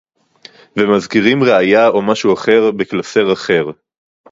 ומזכירים ראיה או משהו אחר בקלסר אחר